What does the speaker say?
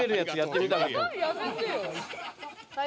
やめてよ